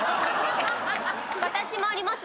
私もあります